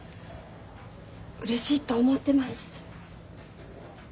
うれしいと思ってます。